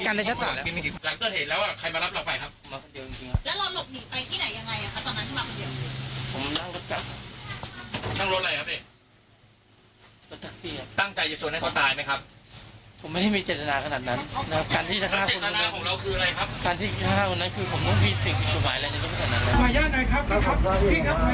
การที่จะฆ่าคนนั้นคือผมต้องมีสิ่งผิดผิดหมายอะไร